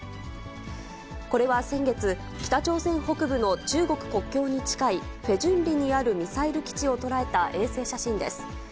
これは先月、北朝鮮北部の中国国境に近い、フェジュンリにあるミサイル基地を捉えた衛星写真です。